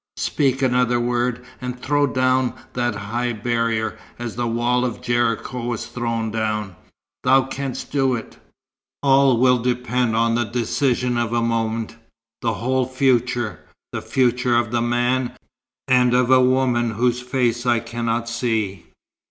Speak another word, and throw down that high barrier, as the wall of Jericho was thrown down. Thou canst do it. All will depend on the decision of a moment thy whole future, the future of the man, and of a woman whose face I cannot see."